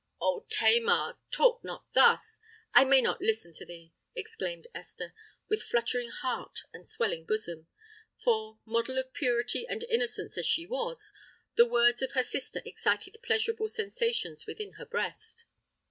"O Tamar! talk not thus—I may not listen to thee!" exclaimed Esther, with fluttering heart and swelling bosom; for, model of purity and innocence as she was, the words of her sister excited pleasurable sensations within her breast.